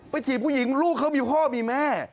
ถีบผู้หญิงลูกเขามีพ่อมีแม่